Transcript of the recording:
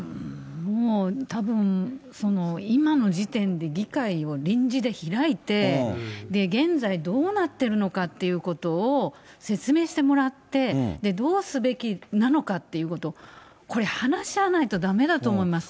もう、たぶん、その今の時点で議会を臨時で開いて、現在どうなっているのかということを説明してもらって、どうすべきのなかっていうことを、これ話し合わないとだめだと思います。